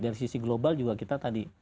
dari sisi global juga kita tadi